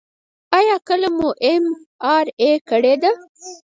ایا کله مو ام آر آی کړې ده؟